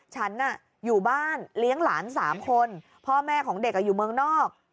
ฉันอยู่บ้านเลี้ยงหลาน๓คนพ่อแม่ของเด็กอยู่เมืองนอก